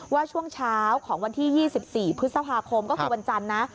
ช่วงเช้าของวันที่๒๔พฤษภาคมก็คือวันจันทร์นะ